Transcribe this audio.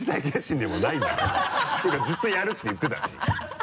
ていうかずっとやるって言ってたし。